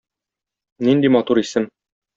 Нинди матур исем!